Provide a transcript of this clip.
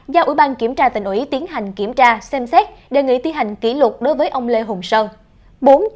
giao ủy ban kiểm tra tỉnh ủy tiến hành kiểm tra xem xét đề nghị thi hành kỷ luật đối với ông lê hùng sơn